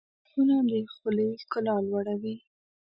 • غاښونه د خولې ښکلا لوړوي.